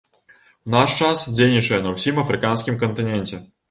У наш час дзейнічае на ўсім афрыканскім кантыненце.